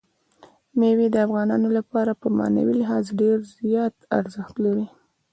مېوې د افغانانو لپاره په معنوي لحاظ ډېر زیات ارزښت لري.